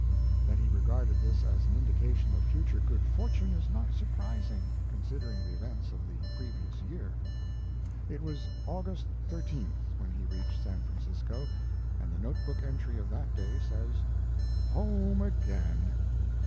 That he regarded this as an indication of future good fortune is not surprising, considering the events of the previous year. It was August 13th when he reached San Francisco, and the note book entry of that day says: Home again.